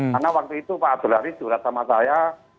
karena waktu itu pak abdul haris juga sama saya